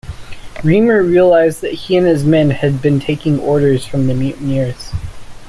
Remer realised that he and his men had been taking orders from the mutineers.